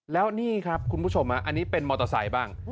แล้วนี่ครับคุณผู้ชมอันนี้เป็นมอเตอร์ไซค์บ้าง